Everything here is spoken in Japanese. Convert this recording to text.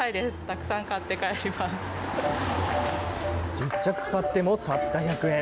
１０着買ってもたった１００円。